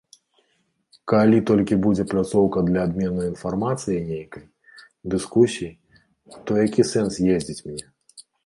Калі толькі будзе пляцоўка для абмену інфармацыяй нейкай, дыскусій, то які сэнс ездзіць мне?